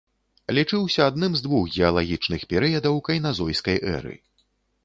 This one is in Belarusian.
Лічыўся адным з двух геалагічных перыядаў кайназойскай эры.